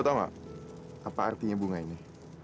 lo tau gak apa artinya bunga ini